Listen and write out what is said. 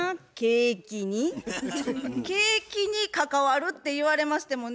「ケーキ」に関わるって言われましてもね。